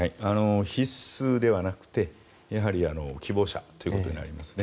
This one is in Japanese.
必須ではなくてやはり希望者ということになりますね。